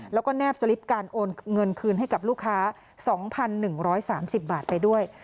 แล้วก็แนบสลิปการโอนเงินคืนให้กับลูกค้าสองพันหนึ่งร้อยสามสิบบาทไปด้วย